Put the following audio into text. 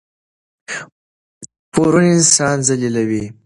پورونه انسان ذلیلوي.